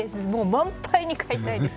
満杯に買いたいです。